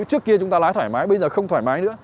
trước kia chúng ta lái thoải mái bây giờ không thoải mái nữa